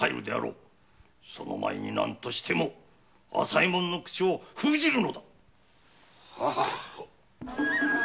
その前に何としても朝右衛門の口を封じるのだ！